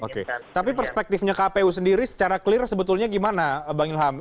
oke tapi perspektifnya kpu sendiri secara clear sebetulnya gimana bang ilham